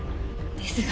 ですが。